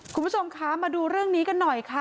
คุณผู้ชมคะมาดูเรื่องนี้กันหน่อยค่ะ